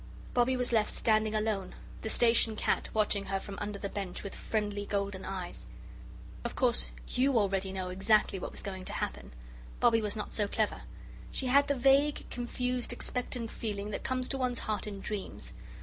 Bobbie was left standing alone, the Station Cat watching her from under the bench with friendly golden eyes. Of course you know already exactly what was going to happen. Bobbie was not so clever. She had the vague, confused, expectant feeling that comes to one's heart in dreams.